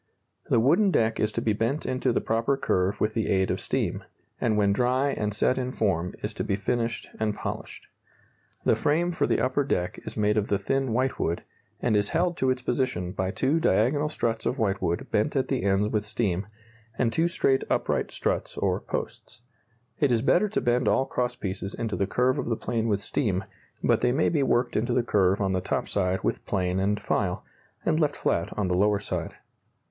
The wooden deck is to be bent into the proper curve with the aid of steam, and when dry and set in form is to be finished and polished. The frame for the upper deck is made of the thin whitewood, and is held to its position by two diagonal struts of whitewood bent at the ends with steam, and two straight upright struts or posts. It is better to bend all cross pieces into the curve of the plane with steam, but they may be worked into the curve on the top side with plane and file, and left flat on the lower side.